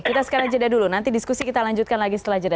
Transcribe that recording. kita sekarang jeda dulu nanti diskusi kita lanjutkan lagi setelah jeda